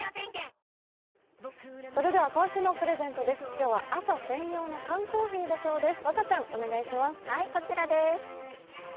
今日は朝専用の缶コーヒーだそうです。